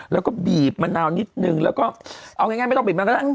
แล้วก็บีบมะนาวนิดนึงแล้วก็เอาง่ายไม่ต้องบีบมันก็ได้